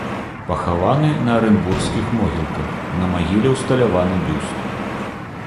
Пахаваны на арэнбургскіх могілках, на магіле ўсталяваны бюст.